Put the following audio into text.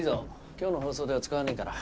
今日の放送では使わねえから。